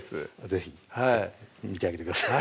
是非見てあげてください